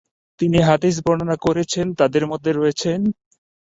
তিনি হাদিস বর্ণনা করেছেন তাদের মধ্যে রয়েছেন: